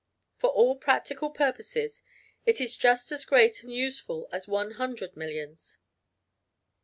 For all practical purposes it is just as great and useful as one hundred millions.